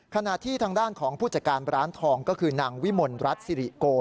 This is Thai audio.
ขณะที่ทางด้านของผู้จัดการร้านทองก็คือนางวิมลรัฐสิริโก